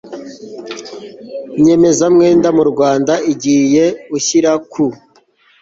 nyemezamwenda mu Rwanda igihe ushyira ku